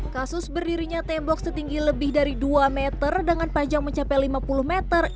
kasus berdirinya tembok setinggi lebih dari dua meter dengan panjang mencapai lima puluh meter